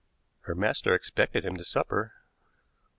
Her master expected him to supper.